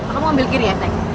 kamu ambil kiri ya sayang